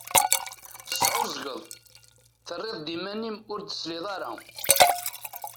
Tesεuẓẓgeḍ, terriḍ iman-im ur d-tesliḍ ara.